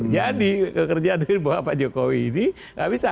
jadi kerjaan dari bawah pak jokowi ini tidak bisa